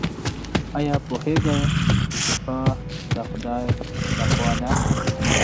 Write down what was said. ایا پوهیږئ چې شفا د خدای لخوا ده؟